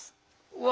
うわ。